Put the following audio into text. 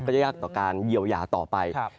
จะยากต่อการเยียวยาต่อไป